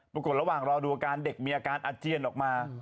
ปรากฏระหว่างรอดูอาการเด็กมีอาการอาเจียนออกมา